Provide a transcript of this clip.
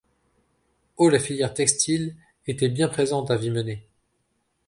Aux la filière textile était bien présente à Vimenet.